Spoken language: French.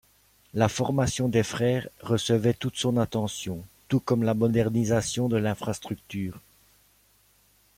La formation des frères recevait toute son attention, tout comme la modernisation de l'infrastructure.